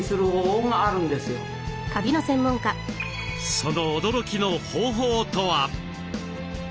その驚きの方法とは？